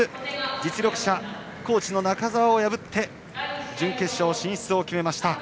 実力者、高知の中澤を破って準決勝進出を決めました。